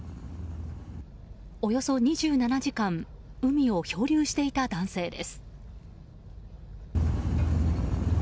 およそ２７時間海を漂流していた男性です。